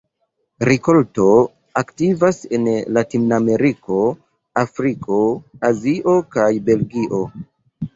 Rikolto aktivas en Latinameriko, Afriko, Azio kaj Belgio.